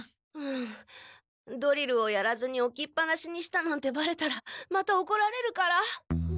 うんドリルをやらずにおきっぱなしにしたなんてバレたらまたおこられるから。